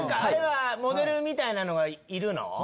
あれはモデルみたいなのがいるの？